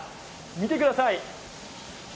見てください。